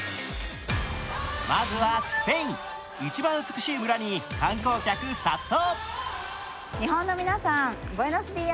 まずはスペイン、一番美しい村に観光客殺到。